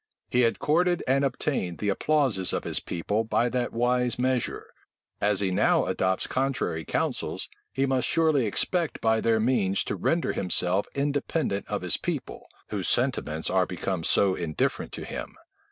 He had courted and obtained the applauses of his people by that wise measure: as he now adopts contrary counsels, he must surely expect by their means to render himself independent of his people, whose sentiments are become so indifferent to him.